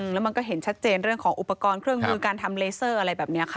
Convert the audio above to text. แล้วมันก็เห็นชัดเจนเรื่องของอุปกรณ์เครื่องมือการทำเลเซอร์อะไรแบบนี้ค่ะ